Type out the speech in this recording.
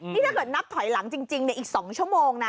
นี่ถ้าเกิดนับถอยหลังจริงอีก๒ชั่วโมงนะ